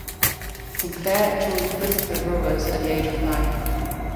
Sinclair joined Bristol Rovers at the age of nine.